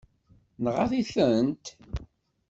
Nɣaḍ-itent?